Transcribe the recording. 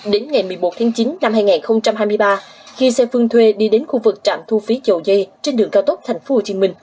đến ngày một mươi một tháng chín năm hai nghìn hai mươi ba khi xe phương thuê đi đến khu vực trạm thu phí dầu dây trên đường cao tốc thành phố hồ chí minh